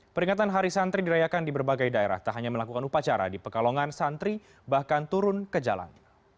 peringatan hari santri dirayakan di berbagai daerah tak hanya melakukan upacara di pekalongan santri bahkan turun ke jalan